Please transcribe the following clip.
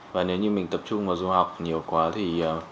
và nếu như mình tập trung vào du học nhiều quá thì